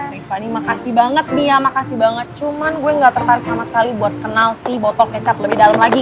rifqan nih makasih banget dia makasih banget cuman gue gak tertarik sama sekali buat kenal si botol kecap lebih dalem lagi